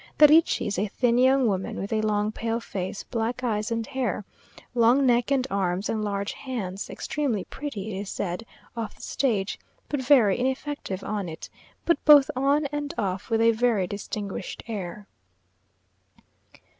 The Ricci is a thin young woman, with a long, pale face, black eyes and hair, long neck and arms, and large hands; extremely pretty, it is said, off the stage, but very ineffective on it; but both on and off with a very distinguished air.